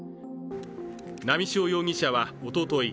波汐容疑者はおととい